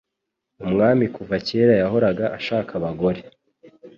Umwami Kuva kera yahoraga ashaka abagore